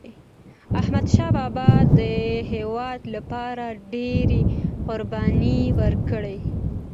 احمدشاه بابا د هیواد لپاره ډيري قربانی ورکړي.